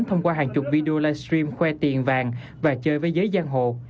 thông qua hàng chục video live stream khoe tiền vàng và chơi với giới gian hộ